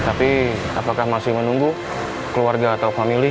tapi apakah masih menunggu keluarga atau family